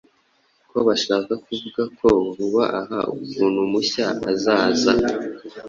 ko bashaka kuvuga ko vuba aha umuntu mushya azaza